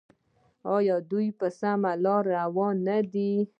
آیا دوی په سمه لار روان نه دي؟